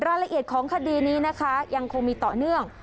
รายละเอียดของคดีนี้นะคะยังคงมีต่อเนื่อง